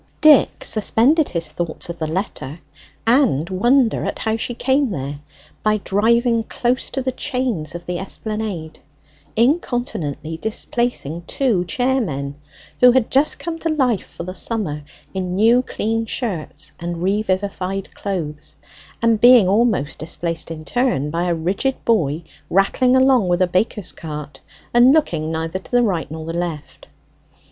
Dick suspended his thoughts of the letter and wonder at how she came there by driving close to the chains of the Esplanade incontinently displacing two chairmen, who had just come to life for the summer in new clean shirts and revivified clothes, and being almost displaced in turn by a rigid boy rattling along with a baker's cart, and looking neither to the right nor the left.